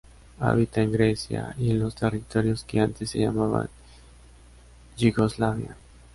Habita en Grecia y en los territorios que antes se llamaban Yugoslavia.